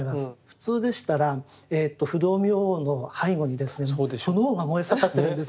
普通でしたら不動明王の背後にですね炎が燃え盛ってるんです。